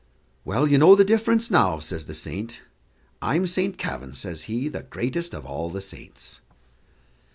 "Well, you know the difference now," says the saint. "I'm Saint Kavin," says he, "the greatest of all the saints."